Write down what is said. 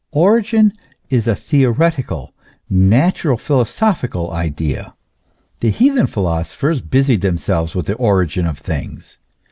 Origin is a theoretical, natural philosophical idea. The heathen philosophers busied themselves with the origin of things.